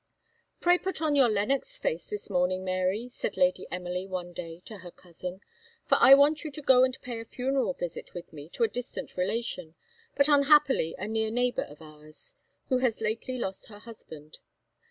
"PRAY put on your Lennox face this morning, Mary," said Lady Emily one day to her cousin, "for I want you to go and pay a funeral visit with me to a distant relation, but unhappily a near neighbour of ours, who has lately lost her husband.